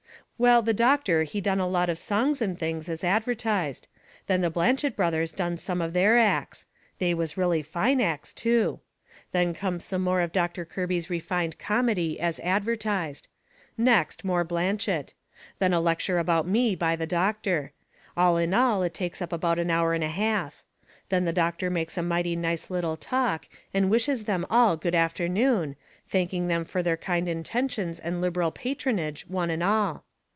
Well, the doctor he done a lot of songs and things as advertised. Then the Blanchet Brothers done some of their acts. They was really fine acts, too. Then come some more of Doctor Kirby's refined comedy, as advertised. Next, more Blanchet. Then a lecture about me by the doctor. All in all it takes up about an hour and a half. Then the doctor makes a mighty nice little talk, and wishes them all good afternoon, thanking them fur their kind intentions and liberal patronage, one and all.